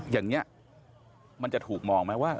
อย่างนี้มันจะถูกมองไหมว่า